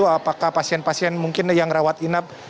apakah pasien pasien mungkin yang rawat inap